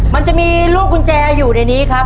มันจะมีลูกกุญแจอยู่ในนี้ครับ